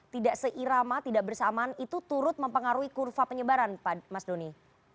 tidak seirama tidak bersamaan itu turut mempengaruhi kurva penyebaran mas doni